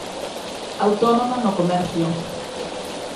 Autónoma no comercio.